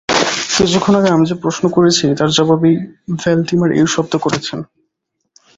কিছুক্ষণ আগে আমি যে প্রশ্ন করেছি, তার জবাবেই ভ্যালডিমার ওই শব্দ করছেন।